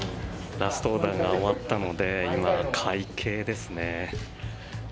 ラストオーダーが終わったので今、会計ですね。